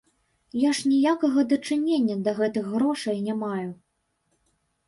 Я ж ніякага дачынення да гэтых грошай не маю.